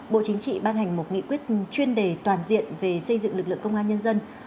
bộ chính trị ban hành một nghị quyết chuyên đề toàn diện về xây dựng lực lượng công an nhân dân